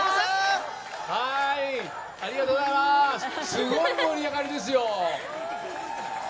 すごい盛り上がりですよ。